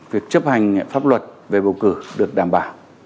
việc chấp hành pháp luật về bầu cử được đảm bảo